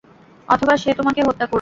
অথবা সে তোমাকে হত্যা করবে।